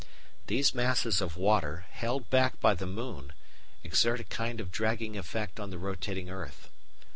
These masses of water, held back by the moon, exert a kind of dragging effect on the rotating earth.